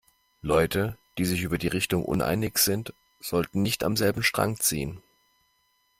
Leute, die sich über die Richtung uneinig sind, sollten nicht am selben Strang ziehen.